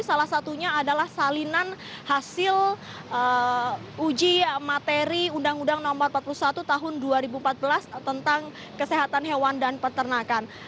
salah satunya adalah salinan hasil uji materi undang undang no empat puluh satu tahun dua ribu empat belas tentang kesehatan hewan dan peternakan